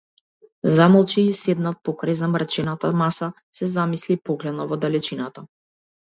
Замолче и, седнат покрај замрачената маса, се замисли и погледна во далечината.